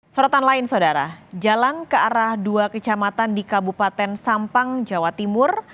sorotan lain saudara jalan ke arah dua kecamatan di kabupaten sampang jawa timur